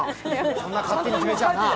そんなに勝手に決めちゃな。